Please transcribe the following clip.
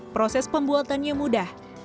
proses pembuatannya mudah